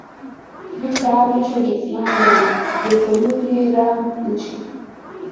موږ ته هر مشر دشمن دی، چی په موږ یې رحم نه شی